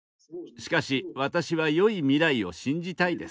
しかし私はよい未来を信じたいです。